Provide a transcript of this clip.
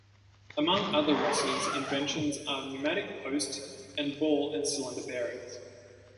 Among other Ressel's inventions are pneumatic post and ball and cylinder bearings.